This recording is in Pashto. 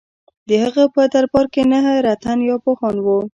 د هغه په دربار کې نهه رتن یا پوهان وو.